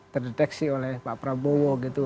terdeteksi oleh pak prabowo